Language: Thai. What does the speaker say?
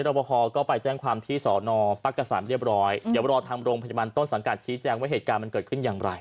เดี๋ยวรอทางโรงพจมันต้นสังการณ์ชี้แจ้งว่าเหตุการณ์มันเกิดขึ้นอย่างไร